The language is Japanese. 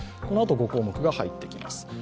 このあと５項目が入ってきます。